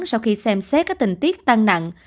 sau khi xem xét các tình tiết tăng nặng